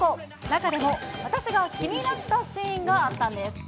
中でも、私が気になったシーンがあったんです。